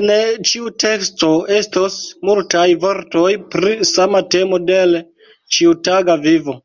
En ĉiu teksto estos multaj vortoj pri sama temo de l' ĉiutaga vivo.